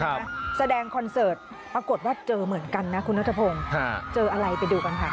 นะครับแสดงคอนเสิร์ตปรากฏว่าเจอเหมือนกันนะคุณศะพงฮ่ะเจออะไรไปดูก่อนค่ะ